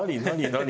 何？